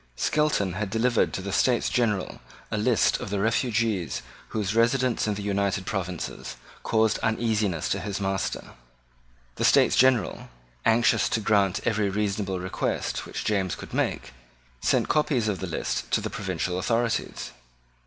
Skelton had delivered to the States General a list of the refugees whose residence in the United Provinces caused uneasiness to his master. The States General, anxious to grant every reasonable request which James could make, sent copies of the list to the provincial authorities.